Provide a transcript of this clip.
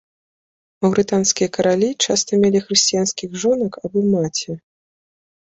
Маўрытанскія каралі часта мелі хрысціянскіх жонак або маці.